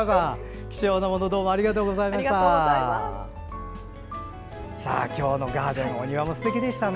貴重なものどうもありがとうございました。